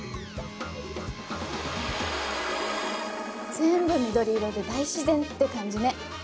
全部緑色で大自然って感じね。